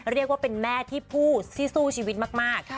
เรียกว่าเป็นแม่ที่ผู้ที่สู้ชีวิตมาก